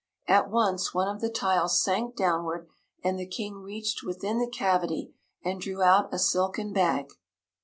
At once one of the tiles sank downward and the King reached within the cavity and drew out a silken bag.